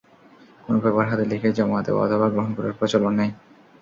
কোনো পেপার হাতে লিখে জমা দেওয়া অথবা গ্রহণ করার প্রচলন নেই।